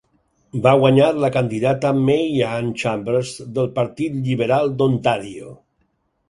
Va guanyar la candidata May Anne Chambers del Partit Lliberal d'Ontario.